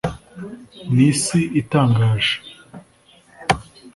ni isi itangaje .